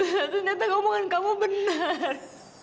ternyata ngomongan kamu benar